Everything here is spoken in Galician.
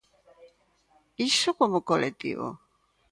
Iso como colectivo.